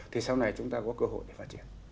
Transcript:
thì sau này chúng ta có cơ hội để phát triển